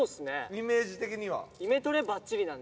イメージ的には。